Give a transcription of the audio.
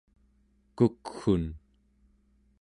kukgun